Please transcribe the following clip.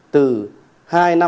từ hai năm